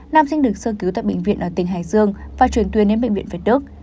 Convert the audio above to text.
nam sinh được sơ cứu tại bệnh viện ở tỉnh hải dương và chuyển tuyên đến bệnh viện việt đức